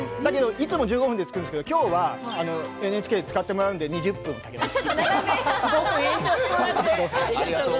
いつも１５分で作るんですが、きょうはＮＨＫで使ってもらうので２０分かけました。